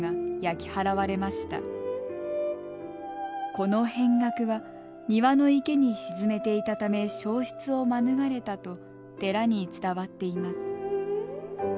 この扁額は庭の池に沈めていたため焼失を免れたと寺に伝わっています。